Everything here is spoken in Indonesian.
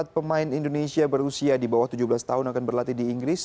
empat pemain indonesia berusia di bawah tujuh belas tahun akan berlatih di inggris